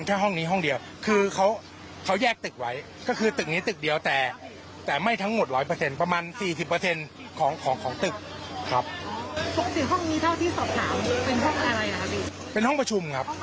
สรุปอีกทีนะครับ